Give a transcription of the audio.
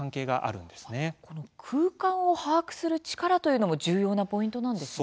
この空間を把握する力というのも重要なポイントなんですね。